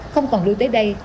không còn lưu tới đây